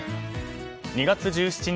２月１７日